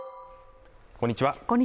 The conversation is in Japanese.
こんにちは。